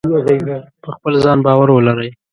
په خپل ځان باور ولرئ.